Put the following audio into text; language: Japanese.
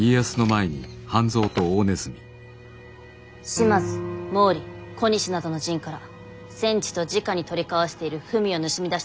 島津毛利小西などの陣から戦地とじかに取り交わしている文を盗み出してきました。